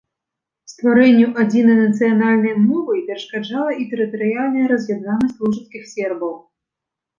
Стварэнню адзінай нацыянальнай мовы перашкаджала і тэрытарыяльная раз'яднанасць лужыцкіх сербаў.